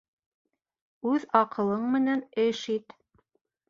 Үҙ аҡылың менән эш ит.